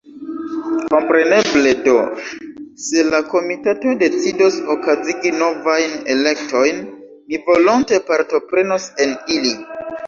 Kompreneble do, se la Komitato decidos okazigi novajn elektojn, mi volonte partoprenos en ili.